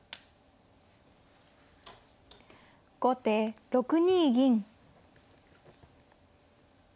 後手６二銀。